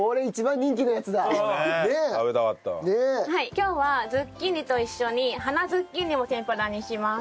今日はズッキーニと一緒に花ズッキーニも天ぷらにします。